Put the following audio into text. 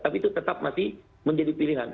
tapi itu tetap masih menjadi pilihan